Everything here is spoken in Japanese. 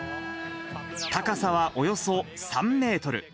高さはおよそ３メートル。